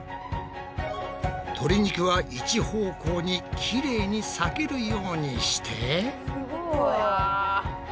とり肉は一方向にきれいに裂けるようにして。